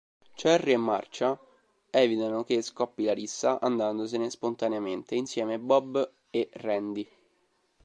Cherry e Marcia evitano che scoppi la rissa andandosene spontaneamente insieme Bob e Randy.